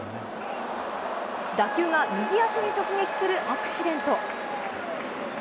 打球が右足に直撃するアクシデント。